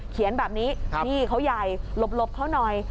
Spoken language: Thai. เขียนแบบนี้นี่เขาใหญ่หลบเขาหน่อย